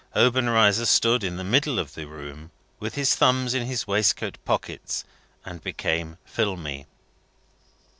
Obenreizer stood in the middle of the room with his thumbs in his waistcoat pockets, and became filmy.